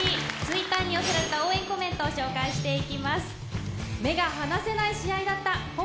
Ｔｗｉｔｔｅｒに寄せられた応援コメントを紹介していきます。